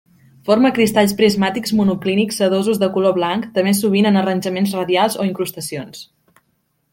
Forma cristalls prismàtics monoclínics sedosos de color blanc, també sovint en arranjaments radials o incrustacions.